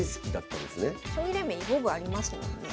将棋連盟囲碁部ありますもんね。